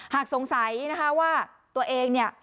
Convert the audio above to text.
หากสงสัยว่าตัวเอง